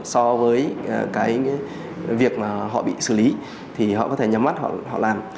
so với cái việc mà họ bị xử lý thì họ có thể nhắm mắt họ làm